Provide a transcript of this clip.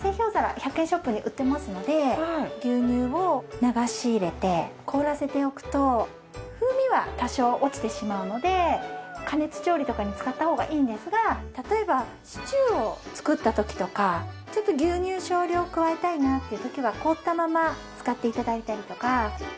１００円ショップに売ってますので牛乳を流し入れて凍らせておくと風味は多少落ちてしまうので加熱調理とかに使った方がいいんですが例えばシチューを作った時とかちょっと牛乳少量加えたいなっていう時は凍ったまま使って頂いたりとか。